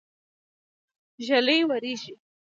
ږلۍ وريږي.